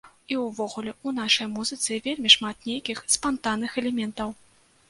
І ўвогуле, у нашай музыцы вельмі шмат нейкіх спантанных элементаў.